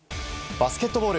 バスケットボール。